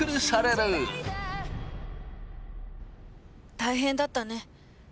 大変だったね。